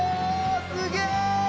すげえ！